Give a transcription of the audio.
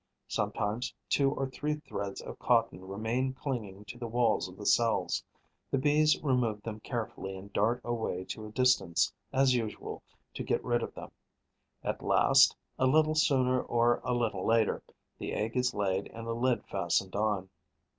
Sometimes, two or three threads of cotton remain clinging to the walls of the cells: the Bees remove them carefully and dart away to a distance, as usual, to get rid of them. At last, a little sooner or a little later, the egg is laid and the lid fastened on.